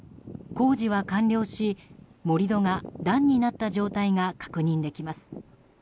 工事は完了し盛り土が段になった状態が確認できます。